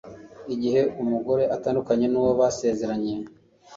igihe umugore atandukanye n'uwo basezeranye